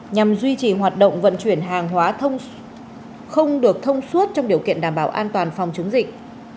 nhằm duy trì hoạt động vận chuyển hàng hóa không được thông suốt trong điều kiện đảm bảo an toàn phòng chống dịch